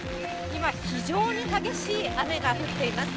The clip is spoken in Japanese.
今、非常に激しい雨が降っています。